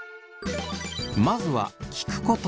まずは聞くこと。